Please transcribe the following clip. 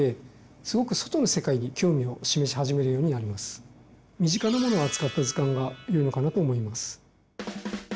２歳ぐらいから身近なものを扱った図鑑が良いのかなと思います。